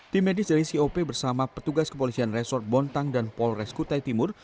tim medis dari cop bersama petugas kepolisian resort bontang dan polres kutai timur